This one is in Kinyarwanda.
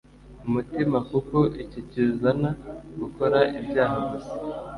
Umutima kuko icyo kizana gukora ibyaha gusa